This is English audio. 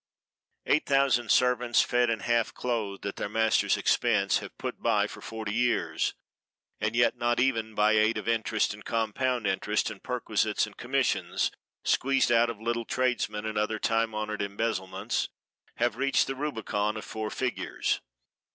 Eight thousand servants, fed and half clothed at their master's expense, have put by for forty years, and yet not even by aid of interest and compound interest and perquisites and commissions squeezed out of little tradesmen and other time honored embezzlements, have reached the rubicon of four figures.